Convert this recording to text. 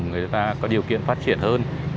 người ta có điều kiện phát triển hơn